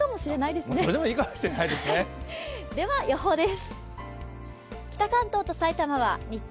では予報です。